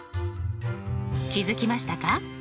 気付きましたか？